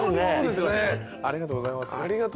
ありがとうございます。